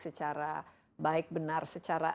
secara baik benar secara